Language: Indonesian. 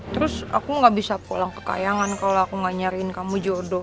terus aku gak bisa pulang kekayangan kalau aku gak nyariin kamu jodoh